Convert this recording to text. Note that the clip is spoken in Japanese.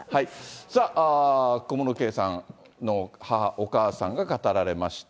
さあ、小室圭さんの母、お母さんが語られました、